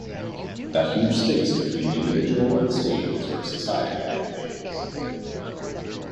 That huge space between the individual and the state is where society actually is.